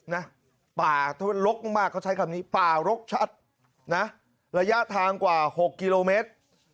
นะป่าถ้ามันลกมากเขาใช้คำนี้ป่ารกชัดนะระยะทางกว่า๖กิโลเมตร